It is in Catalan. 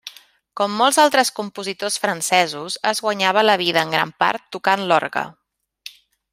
Com molts altres compositors francesos, es guanyava la vida en gran part tocant l'orgue.